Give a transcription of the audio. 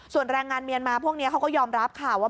ส่วนแรงงานเมียนมาพวกนี้เขาก็ยอมรับค่ะว่า